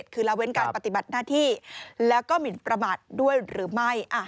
คือละเว้นการปฏิบัติหน้าที่แล้วก็หมินประมาทด้วยหรือไม่